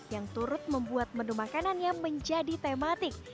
yang turut membuat menu makanannya menjadi tematik